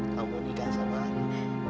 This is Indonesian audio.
kamu nikah sama aku